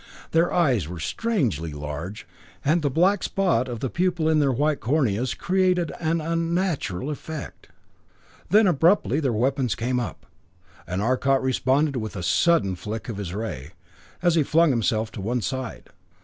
Their eyes were strangely large, and the black spot of the pupil in their white corneas created an unnatural effect. Then abruptly their weapons came up and Arcot responded with a sudden flick of his ray, as he flung himself to one side.